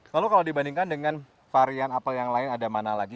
lalu kalau dibandingkan dengan varian apple yang lain ada mana lagi